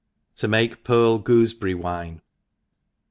To make Pearl Goo^ebbrry Wine.